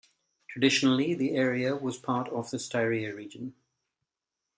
Traditionally the area was part of the Styria region.